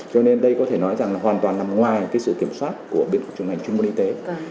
cho nên đây có thể nói rằng là hoàn toàn nằm ngoài cái sự kiểm soát của bên trường ngành chung môn y tế